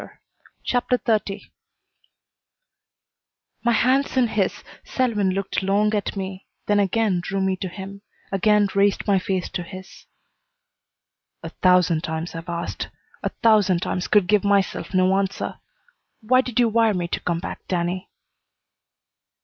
CHAPTER XXX My hands in his, Selwyn looked long at me, then again drew me to him, again raised my face to his. "A thousand times I've asked. A thousand times could give myself no answer. Why did you wire me to come back, Danny?"